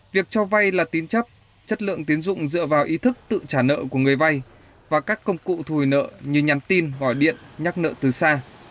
việc cho vai là tiến chấp chất lượng tiến dụng dựa vào ý thức tự trả nợ của người vai và các công cụ thùi nợ như nhắn tin gọi điện nhắc nợ từ xa